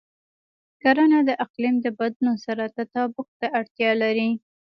کرنه د اقلیم د بدلون سره تطابق ته اړتیا لري.